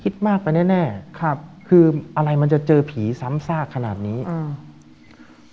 มากไปแน่แน่ครับคืออะไรมันจะเจอผีซ้ำซากขนาดนี้อืม